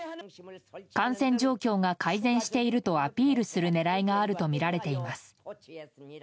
感染状況が改善しているとアピールする狙いがあるとみられています。